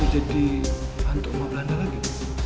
untuk rumah belanda lagi